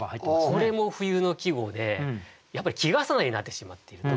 これも冬の季語でやっぱり季重なりになってしまっていると。